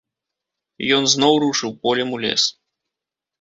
Ён зноў рушыў полем у лес.